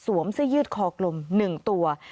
สวมเสื้อยืดคอกลมหนึ่งตัว